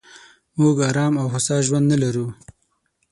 موږ ارام او هوسا ژوند نه لرو.